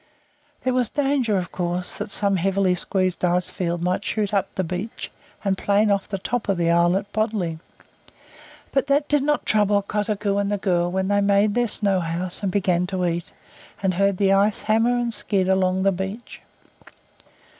There was danger, of course, that some heavily squeezed ice field might shoot up the beach, and plane off the top of the islet bodily; but that did not trouble Kotuko and the girl when they made their snow house and began to eat, and heard the ice hammer and skid along the beach.